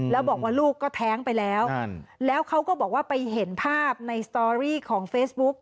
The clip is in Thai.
แล้วบอกว่าลูกก็แท้งไปแล้วแล้วเขาก็บอกว่าไปเห็นภาพในสตอรี่ของเฟซบุ๊ก